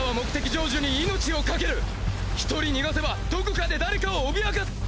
逃がせばどこかで誰かを脅かす！